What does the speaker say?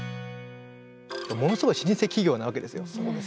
ものすごい老舗企業なわけですよ。